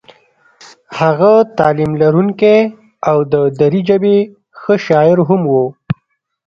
هغه تعلیم لرونکی او د دري ژبې ښه شاعر هم و.